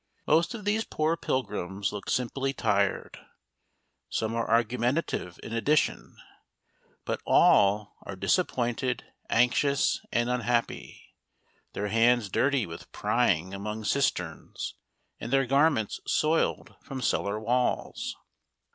Most of these poor pilgrims look simply tired, some are argumentative in addition, but all are disappointed, anxious, and unhappy, their hands dirty with prying among cisterns, and their garments soiled from cellar walls.